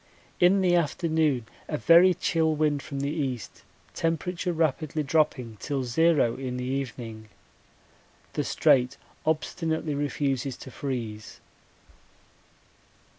In the afternoon a very chill wind from the east, temperature rapidly dropping till zero in the evening. The Strait obstinately refuses to freeze.